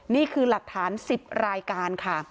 นี่คือหลักฐาน๑๐รายการค่ะ